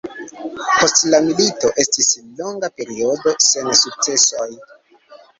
Post la milito, estis longa periodo sen sukcesoj.